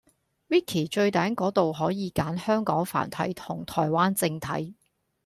Wiki 最頂果度可以揀香港繁體同台灣正體